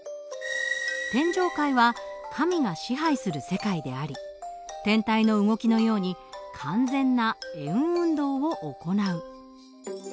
天上界は神が支配する世界であり天体の動きのように完全な円運動を行う。